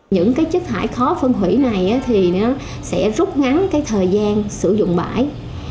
những cái chất thải khó phân hủy này thì nó sẽ rút ngắn cái thời gian sử dụng bãi